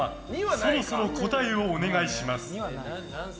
そろそろ答えをお願いします。